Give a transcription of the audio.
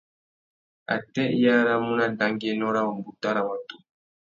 Atê i aramú nà dangüiénô râ umbuta râ watu?